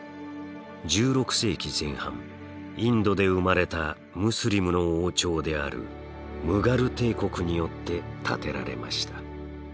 １６世紀前半インドで生まれたムスリムの王朝であるムガル帝国によって建てられました。